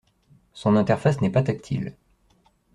Son interface n'est pas tactile.